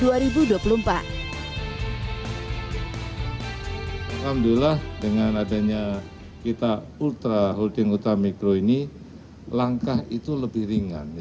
alhamdulillah dengan adanya kita ultra holding ultra mikro ini langkah itu lebih ringan